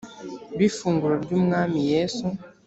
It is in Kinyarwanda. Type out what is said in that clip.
b ifunguro ry umwami yesu